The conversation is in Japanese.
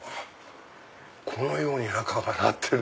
このように中はなってる。